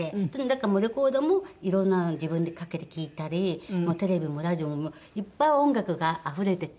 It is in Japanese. だからレコードもいろんなのを自分でかけて聴いたりテレビもラジオもいっぱい音楽があふれてて。